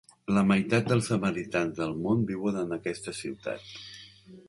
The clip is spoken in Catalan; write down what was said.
La meitat dels samaritans del món viuen en aquesta ciutat.